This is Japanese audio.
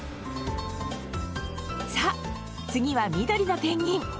さぁ次は緑のペンギン。